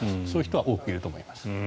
そういう人は多くいると思います。